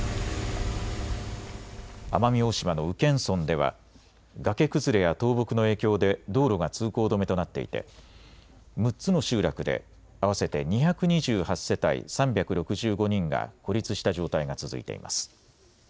奄美大島の宇検村では崖崩れや倒木の影響で道路が通行止めとなっていて６つの集落で合わせて２２８世帯３６５人が孤立した状態が続いています。